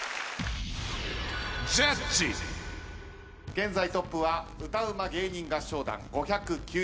現在トップは歌ウマ芸人合唱団５９０点。